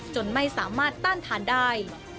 จนไม่สามารถต้านทานได้